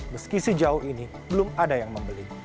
meski sejauh ini belum ada yang membeli